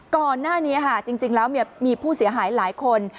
ก่อนหน้านี้จริงแล้วมีผู้เสียหายหลายคน